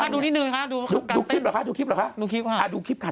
ดูไงครับดูนิดหนึ่งค่ะ